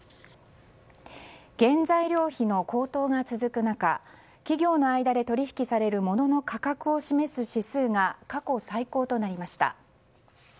原材料費の高騰が続く中企業の間で取引される物の価格を示す指数が過去最高となりました。